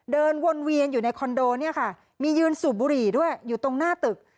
เดินวนเวียนอยู่ในคอนโดเนี่ยค่ะมียืนสูบบุหรี่ด้วยอยู่ตรงหน้าตึก